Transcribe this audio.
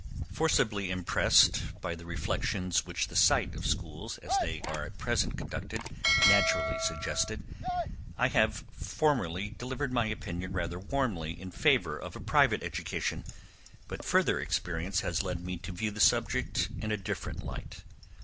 Forcibly impressed by the reflections which the sight of schools, as they are at present conducted, naturally suggested, I have formerly delivered my opinion rather warmly in favour of a private education; but further experience has led me to view the subject in a different light.